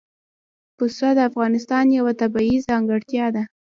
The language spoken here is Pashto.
پسه د افغانستان یوه طبیعي ځانګړتیا ده.